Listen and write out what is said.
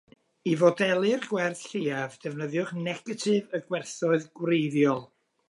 I fodelu'r gwerth lleiaf, defnyddiwch negatif y gwerthoedd gwreiddiol.